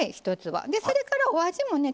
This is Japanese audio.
それからお味もね